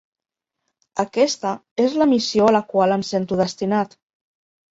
Aquesta és la missió a la qual em sento destinat.